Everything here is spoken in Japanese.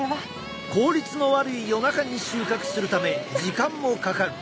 効率の悪い夜中に収穫するため時間もかかる。